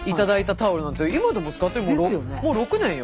もう６年よ